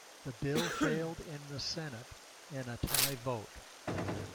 The bill failed in the Senate in a tie vote.